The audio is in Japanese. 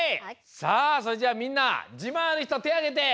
さあそれじゃあみんなじまんあるひとてあげて！